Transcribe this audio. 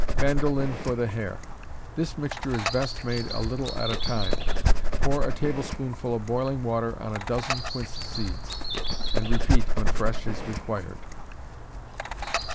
Bandoline for the Hair. This mixture is best made a little at a time. Pour a tablespoonful of boiling water on a dozen quince seeds, and repeat when fresh is required.